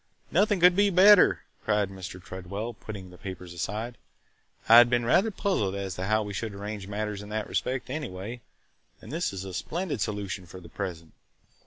"Nothing could be better!" cried Mr. Tredwell, putting the papers aside. "I had been rather puzzled as to how we should arrange matters in that respect, anyway, and this is a splendid solution for the present.